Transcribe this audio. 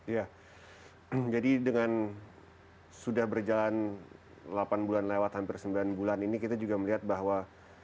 ya jadi dengan sudah berjalan delapan bulan lewat hampir sembilan bulan ini kita juga melihat bahwa